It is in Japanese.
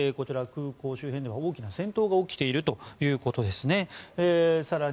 空港周辺では大きな戦闘が起きているということです。